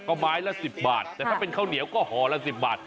ก็ไม้ละ๑๐บาทแต่ถ้าเป็นข้าวเหนียวก็ห่อละ๑๐บาท